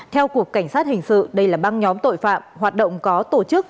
theo cục cảnh sát hình sự đây là băng nhóm tội phạm hoạt động có tổ chức